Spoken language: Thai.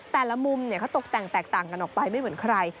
แต่ละมุมเขาตกแต่งแตกต่างกันออกไปไม่เหมือนใคร